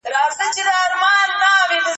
له ځالۍ سره نیژدې پورته یو غار وو